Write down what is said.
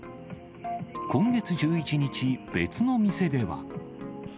今月１１日、別の店では。